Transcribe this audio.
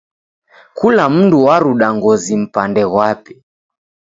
Kula mndu waruda ngozi mpande ghwape.